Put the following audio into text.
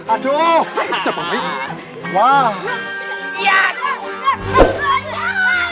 aduh jempol wah